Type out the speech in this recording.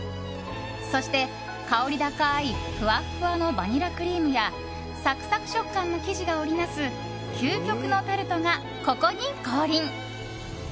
そして、香り高いふわふわのバニラクリームやサクサク食感の生地が織りなす究極のタルトがここに降臨。